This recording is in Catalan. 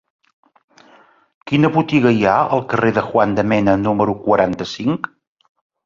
Quina botiga hi ha al carrer de Juan de Mena número quaranta-cinc?